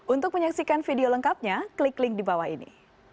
untuk menyaksikan video lengkapnya klik link di bawah ini